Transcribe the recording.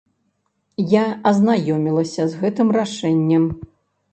Я азнаёмілася з гэтым рашэннем.